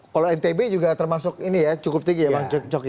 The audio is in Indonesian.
kalau ntb juga termasuk ini ya cukup tinggi ya bang coki